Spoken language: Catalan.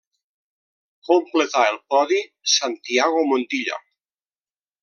Completà el podi Santiago Montilla.